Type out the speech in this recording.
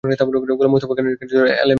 গোলাম মোস্তফা খানের কাছে ছিল এলএমজি।